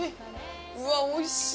うわっおいしい。